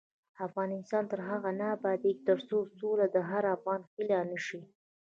افغانستان تر هغو نه ابادیږي، ترڅو سوله د هر افغان هیله نشي.